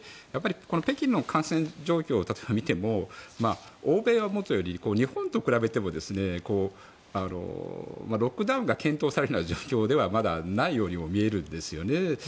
北京の経済状況を例えば見ても欧米はもとより日本と比べてもロックダウンが検討されるような状況ではまだないようにも見えるんですよね。